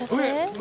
上？